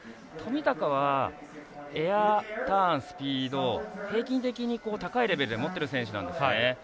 冨高はエア、ターンスピード平均的に高いレベルで持っている選手なんですね。